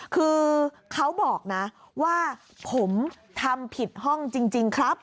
คือเขาบอกนะว่าผมทำผิดห้องจริงครับ